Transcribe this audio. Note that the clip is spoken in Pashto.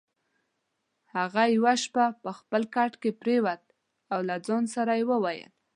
هغه یوه شپه په خپل کټ کې پرېوت او د ځان سره یې وویل: